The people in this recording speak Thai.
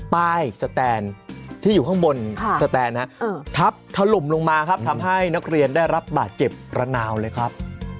สแตนที่อยู่ข้างบนสแตนทับถล่มลงมาครับทำให้นักเรียนได้รับบาดเจ็บระนาวเลยครับ